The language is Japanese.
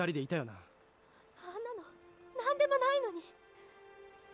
なあんなの何でもないのに！